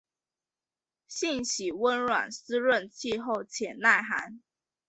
性喜温暖润湿气候且耐寒。